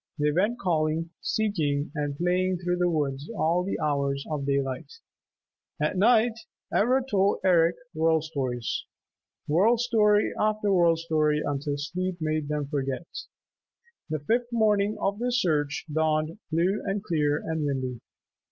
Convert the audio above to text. They went calling, seeking and playing through the woods all the hours of daylight. At night Ivra told Eric World Stories, World Story after World Story until sleep made them forget. The fifth morning of their search dawned blue and clear and windy.